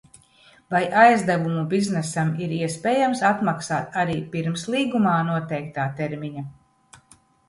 Vai aizdevumu biznesam ir iespējams atmaksāt arī pirms līgumā noteiktā termiņa?